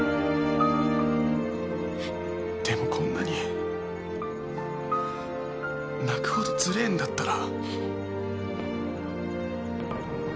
でもこんなに泣くほどつれえんだったら。